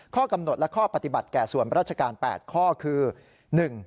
ข้อกำหนดและข้อปฏิบัติแก่ส่วนราชการ๘ข้อคือ